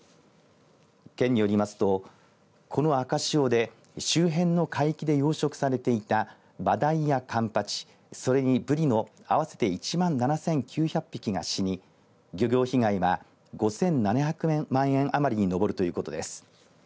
県によりますと、この赤潮で周辺の海域で養殖されていたまだいや、かんぱちそれに、ぶりの合わせて１万７９００匹が死に漁業被害は５７００万円余りに上るということです。